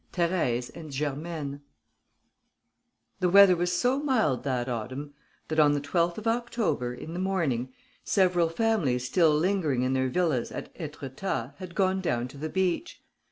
V THÉRÈSE AND GERMAINE The weather was so mild that autumn that, on the 12th of October, in the morning, several families still lingering in their villas at Étretat had gone down to the beach.